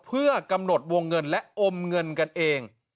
เพื่อกำหนดวงเงินและอมเงินกันเอง